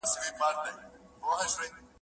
که موږ خپله ژبه ولیکو نو تاریخ مو نه ورکيږي.